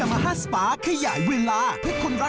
มะโคน่าค่ะ